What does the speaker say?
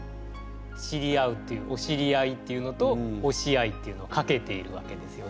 知り合うっていうお知り合いっていうのと押し合いっていうのをかけているわけですよね。